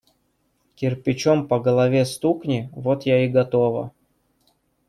Кирпичом по голове стукни – вот я и готова.